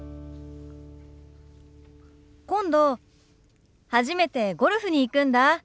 今度初めてゴルフに行くんだ。